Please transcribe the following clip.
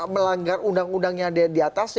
melanggar undang undang yang ada di atasnya